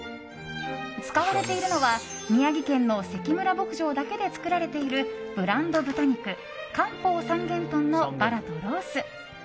使われているのは宮城県の関村牧場だけで作られているブランド豚肉、漢方三元豚のバラとロース。